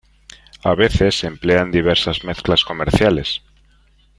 A veces se emplean diversas mezclas comerciales.